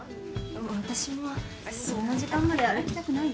私もそんな時間まで歩きたくないよ。